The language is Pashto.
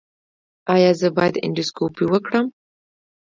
ایا زه باید اندوسکوپي وکړم؟